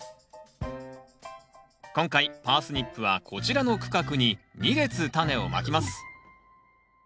今回パースニップはこちらの区画に２列タネをまきます。